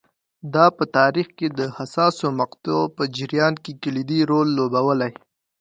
دا په تاریخ د حساسو مقطعو په جریان کې کلیدي رول لوبولی